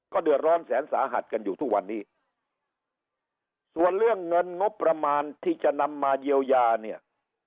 เดือดร้อนแสนสาหัสกันอยู่ทุกวันนี้ส่วนเรื่องเงินงบประมาณที่จะนำมาเยียวยาเนี่ย